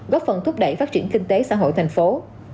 góp phần thúc đẩy phát triển kinh tế xã hội thành phố